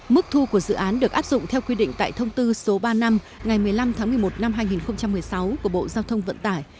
mức thu của dự án được áp dụng theo quy định tại thông tư số ba năm ngày một mươi năm tháng một mươi một năm hai nghìn một mươi sáu của bộ giao thông vận tải